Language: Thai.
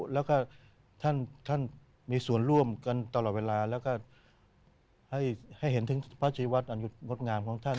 แล้วก็ท่านมีส่วนร่วมกันตลอดเวลาแล้วก็ให้เห็นถึงพระชีวัตรอันหยุดงดงามของท่าน